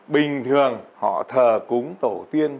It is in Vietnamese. bình thường họ thờ cúng tổ tiên